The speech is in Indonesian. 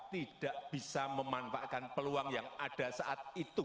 tidak bisa memanfaatkan peluang yang ada saat itu